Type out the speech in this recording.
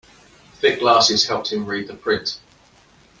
Thick glasses helped him read the print.